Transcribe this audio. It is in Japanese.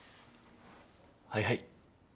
はいはい。